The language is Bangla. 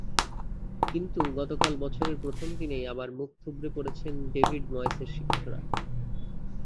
কিন্তু গতকাল বছরের প্রথম দিনেই আবার মুখ থুবড়ে পড়েছেন ডেভিড ময়েসের শিষ্যরা।